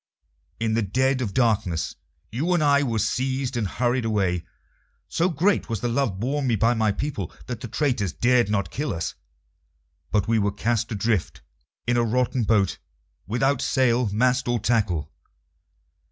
In the dead of darkness you and I were seized and hurried away. So great was the love borne me by my people that the traitors dared not kill us, but we were cast adrift in a rotten boat, without sail, mast, or tackle.